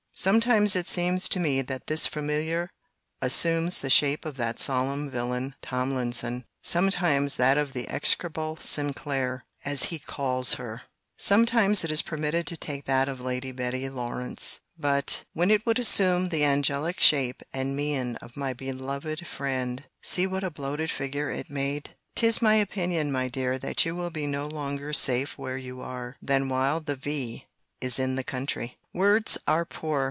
Sometimes it seems to me that this familiar assumes the shape of that solemn villain Tomlinson: sometimes that of the execrable Sinclair, as he calls her: sometimes it is permitted to take that of Lady Betty Lawrance—but, when it would assume the angelic shape and mien of my beloved friend, see what a bloated figure it made! 'Tis my opinion, my dear, that you will be no longer safe where you are, than while the V. is in the country. Words are poor!